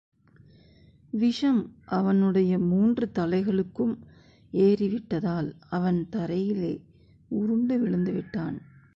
விஷம் அவனுடைய மூன்று தலைகளுக்கும் ஏறிவிட்டதால், அவன் தரையிலே உருண்டு விழுந்துவிட்டான்.